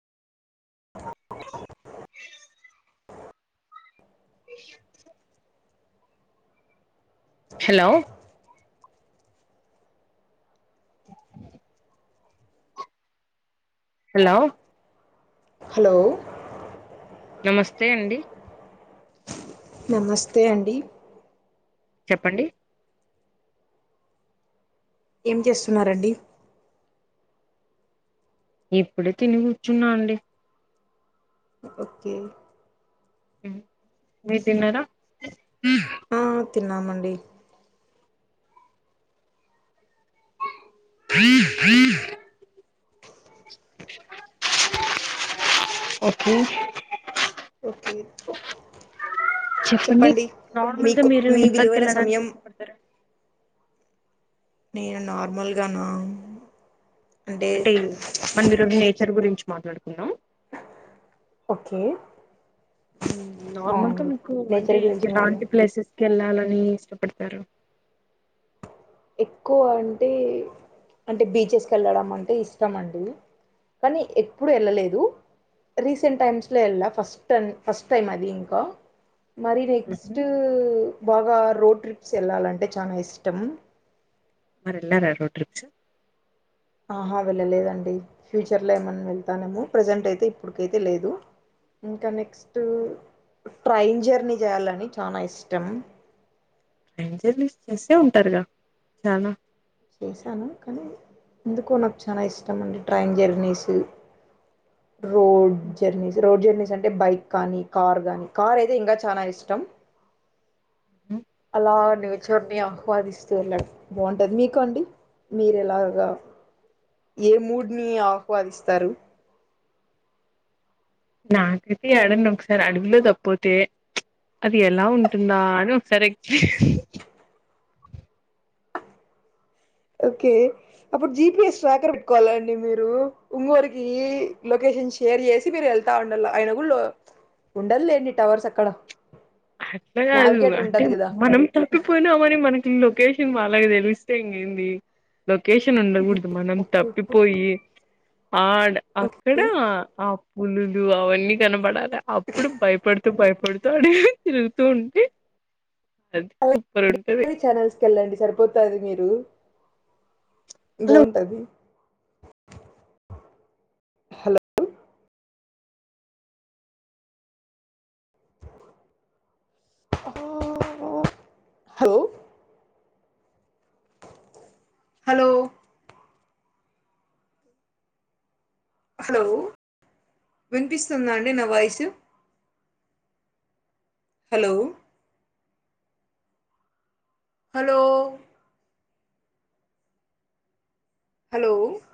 విష hello hello hello నమస్తే అండి. నమస్తే అండి. చెప్పండి ఏం చేస్తున్నారండి? ఇప్పుడే తిని కూర్చున్నా అండి. ఓకె మీరు తిన్నారా? ఆ తిన్నామండి. ఒకే ఓకే చెప్పండి నార్మల్ గా మీకు మీరు మీ ఎక్కడికి విలువైన వెళ్ళడానికి సమయం ఇష్టపడతారు నేను నార్మల్గా నా అంటే మనం ఈరోజు నేచర్ గురించి మాట్లాడుకుందాం ఓకే మ్ ఆ నార్మల్గా అండి మీకు అంటే నేచర్ గురించి ఎలాంటి మాట్లాడు ప్లేసెస్ కేళ్ళాలని ఇష్టపడతారు ఎక్కువ అంటే అంటే బీచెస్క్ కే ల్లడం అంటే ఇష్టం అండి కానీ ఎప్పుడు వెళ్ళలేదు రీసెంట్ టైమ్స్ లో ఎళ్ళ ఫస్ట్ టన్ ఫస్ట్ టైం అది ఇంక మరి నెక్స్ట్ బాగా రోడ్ ట్రిప్స్ వెళ్ళాలంటే చానా ఇష్టం మరి ఎళ్ళర రోడ్ ట్రిప్స్ ఆహా వెళ్ళలేదండి ఫ్యూచర్లో ఏమైన్నా వెళ్తానేమో ప్రజెంట్ అయితే ఇప్పుటికైతే లేదు ఇంకా నెక్స్ట్ ట్రైన్ జర్నీ చేయాలని చానా ఇష్టం ట్రైన్ జర్నీ చేసే ఉంటారుగా చాలా చేసను కనీ ఎందుకో నాకు చాల ఇష్టం అండి train journeys road journeys road journeys అంటే బైక్ కానీ కార్ గానీ కార్ అయితే ఇంకా చానా ఇష్టం మ్ అలా నేచర్ ని ఆహ్వాదిస్తూ వెళ్ళడం బాగుంటది మీ కండి మీరు ఎలాగా ఏ మూడ్ని ఆహ్వాదిస్తారు నాకైతే యడన్న ఒకసారి అడవిలో తప్పోతే అది ఎలా ఉంటుందా అని ఒకసారి ఏక్ ఓకే అప్పుడు జిపిఎస్ ట్రాకర్ పెట్టుకోవాలండి మీరు ఇంగోరికి లొకేషన్ షే షేర్ చేసి మీరు వెళ్తా ఉండాల ఆయన కూడా ఉండద్ లెండి టవర్స్ అక్కడ అట్ల కాదు నావిగేటర్ అంటే ఉంటది కదా మనం త ప్పిపోయినామని మనకి లొకేషన్ వాళ్లకు తెలిస్తే ఇంగ ఏంది లొకేషన్ ఉండకూడదు మనం ఓకే తప్పిపోయి ఆడ్ అక్కడ ఓకే ఆ పులులు అవన్నీ కనపడాలి అప్పుడు భయపడుతూ భయపడుతూ ఆడి తిరుగుతూ ఉంటే అది అలా సూపర్ ఉంటది డిస్కవరీ ఛానల్స్కి వెళ్ళండి సరిపోతాది మీరు బాగుంటది హలో హలో హలో హలో వినిపిస్తుందా అండి నా వాయిసు హలో హలో హలో